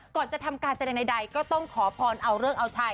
ก่อนจะทำการแสดงใดก็ต้องขอพรเอาเลิกเอาชัย